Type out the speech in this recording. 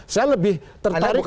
saya lebih tertarik